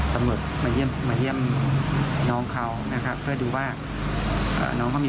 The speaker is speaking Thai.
อยากให้เขามารับผิดชอบตัวในตัวน้องสินะ